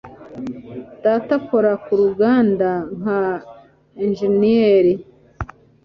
Data akora ku ruganda nka injeniyeri.